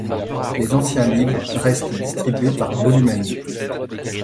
Les anciens livres restent distribués par Volumen.